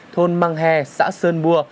thôn măng hè xã sơn bùa